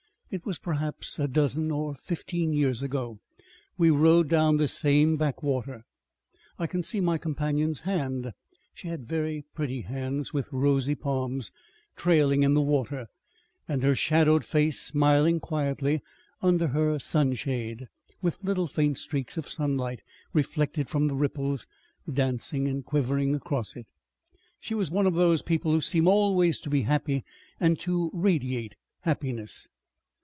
It was perhaps a dozen or fifteen years ago. We rowed down this same backwater. I can see my companion's hand she had very pretty hands with rosy palms trailing in the water, and her shadowed face smiling quietly under her sunshade, with little faint streaks of sunlight, reflected from the ripples, dancing and quivering across it. She was one of those people who seem always to be happy and to radiate happiness.